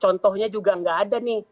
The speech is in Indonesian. contohnya juga nggak ada nih